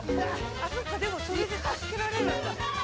そっかでもそれで助けられるんだ。